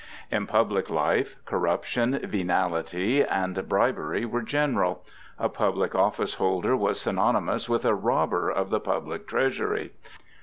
In public life, corruption, venality, and bribery were general; a public office holder was synonymous with a robber of the public treasury.